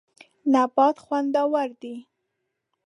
نبات خوندور دی.